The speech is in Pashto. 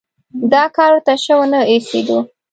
دا کار ورته شه ونه ایسېده.